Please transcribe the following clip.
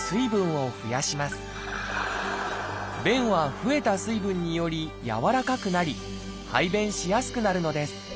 便は増えた水分によりやわらかくなり排便しやすくなるのです。